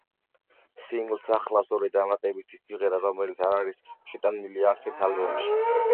სინგლს ახლავს ორი დამატებითი სიმღერა, რომელიც არ არის შეტანილი არც ერთ ალბომში.